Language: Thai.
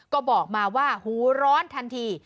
ก็บอกมาว่าหูร้อนทันที